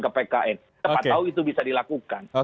cepat tau itu bisa dilakukan